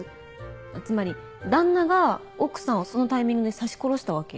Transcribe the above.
つまり旦那が奥さんをそのタイミングで刺し殺したわけ？